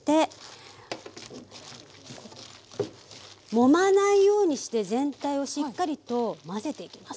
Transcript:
もまないようにして全体をしっかりと混ぜていきます。